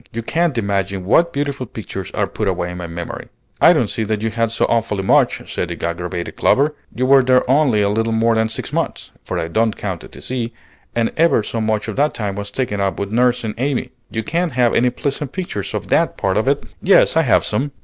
You can't imagine what beautiful pictures are put away in my memory." "I don't see that you had so awfully much," said the aggravated Clover; "you were there only a little more than six months, for I don't count the sea, and ever so much of that time was taken up with nursing Amy. You can't have any pleasant pictures of that part of it." "Yes, I have, some."